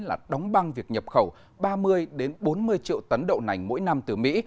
là đóng băng việc nhập khẩu ba mươi bốn mươi triệu tấn đậu nành mỗi năm từ mỹ